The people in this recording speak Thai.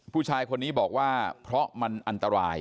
ผู้ชายคนนี้บอกว่าเพราะมันอันตราย